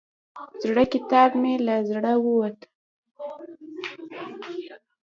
زړه کتاب مې له زړه ووت.